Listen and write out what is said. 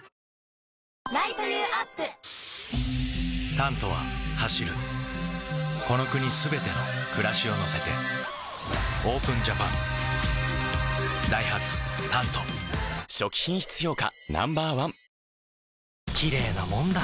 「タント」は走るこの国すべての暮らしを乗せてＯＰＥＮＪＡＰＡＮダイハツ「タント」初期品質評価